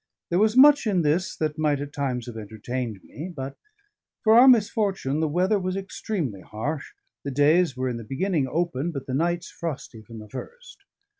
There was much in this that might at times have entertained me; but, for our misfortune, the weather was extremely harsh, the days were in the beginning open, but the nights frosty from the first.